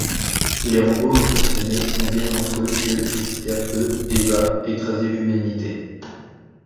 Les robots impressionnés conviennent entre eux que Jupiter peut, et va, écraser l'humanité.